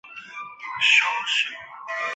大部分国家的独立日也是国庆日。